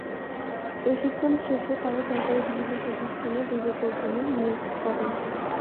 প্রশিক্ষণ শেষে তাঁরা সরকারের বিভিন্ন প্রতিষ্ঠানে দুই বছরের জন্য নিয়োগ পাবেন।